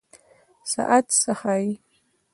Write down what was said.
ساعت څه ښيي؟